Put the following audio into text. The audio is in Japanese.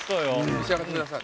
召し上がってください。